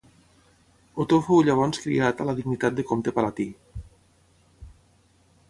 Otó fou llavors criat a la dignitat de comte palatí.